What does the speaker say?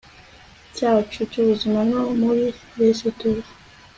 cyacu cyubuzima no muri resitora